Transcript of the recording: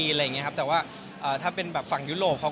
อะไรอย่างเงี้ครับแต่ว่าถ้าเป็นแบบฝั่งยุโรปเขา